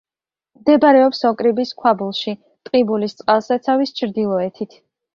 მდებარეობს ოკრიბის ქვაბულში, ტყიბულის წყალსაცავის ჩრდილოეთით.